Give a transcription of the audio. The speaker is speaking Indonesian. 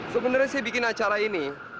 sebenarnya sih bikin acara ini